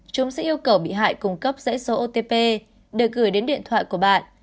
chúng sẽ yêu cầu bị hại cung cấp dãy số otp để gửi đến điện thoại của bạn